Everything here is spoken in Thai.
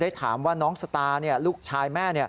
ถามว่าน้องสตาร์ลูกชายแม่